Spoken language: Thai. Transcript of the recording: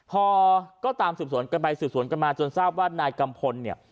พอก็ตามสืบสวนกันไปสืบสวนกันมาจนทราบว่านายกัมพลเนี่ย